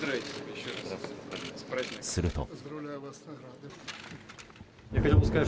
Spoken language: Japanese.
すると。